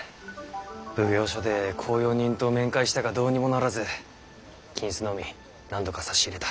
奉行所で公用人と面会したがどうにもならず金子のみ何度か差し入れた。